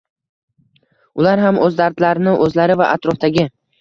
Ular ham o‘z dardlarini, o‘zlari va atrofdagi